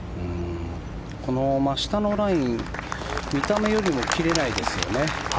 この真下のライン見た目よりも切れないですよね。